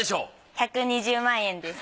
１２０万円です。